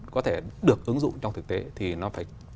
có thể được ứng dụng trong thực tế thì nó phải